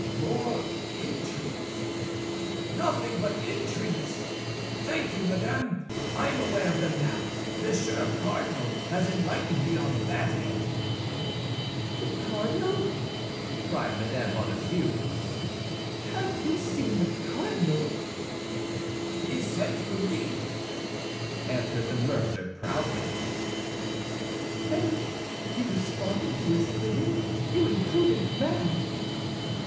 "More intrigues! Nothing but intrigues! Thank you, madame, I am aware of them now; Monsieur Cardinal has enlightened me on that head." "The cardinal?" cried Mme. Bonacieux. "Have you seen the cardinal?" "He sent for me," answered the mercer, proudly. "And you responded to his bidding, you imprudent man?"